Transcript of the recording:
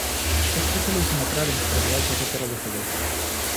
Вось і пачалі ўсім атрадам спрабаваць яго перавыхаваць.